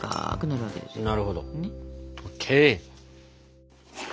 なるほど。